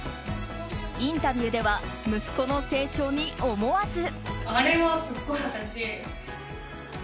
インタビューでは息子の成長に思わず。